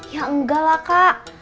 ya enggak lah kak